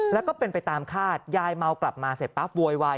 แล้วก็เป็นไปตามคาดยายเมากลับมาเสร็จปั๊บโวยวาย